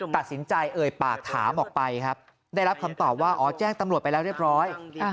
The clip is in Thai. ตัดสินใจเอ่ยปากถามออกไปครับได้รับคำตอบว่าอ๋อแจ้งตำรวจไปแล้วเรียบร้อย